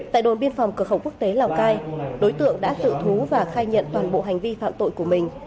tại đồn biên phòng cửa khẩu quốc tế lào cai đối tượng đã tự thú và khai nhận toàn bộ hành vi phạm tội của mình